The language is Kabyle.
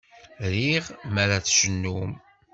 Riɣ mi ara tcennum.